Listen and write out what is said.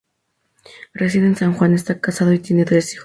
Reside en San Juan, está casado y tiene tres hijos.